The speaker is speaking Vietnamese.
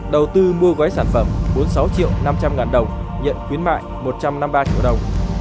đầu tư mua gói sản phẩm bốn mươi sáu triệu năm trăm linh ngàn đồng nhận khuyến mại một trăm năm mươi ba triệu đồng